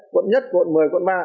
quận một quận một mươi quận ba